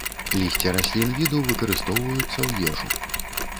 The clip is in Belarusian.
Лісце раслін віду выкарыстоўваюцца ў ежу.